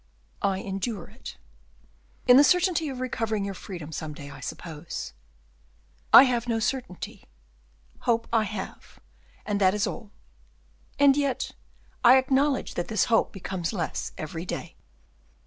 "I endure it." "In the certainty of recovering your freedom some day, I suppose?" "I have no certainty; hope, I have, and that is all; and yet I acknowledge that this hope becomes less every day."